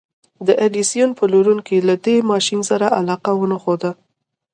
د ايډېسن پلورونکو له دې ماشين سره علاقه ونه ښوده.